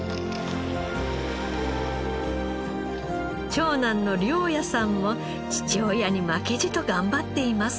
長男の陵矢さんも父親に負けじと頑張っています。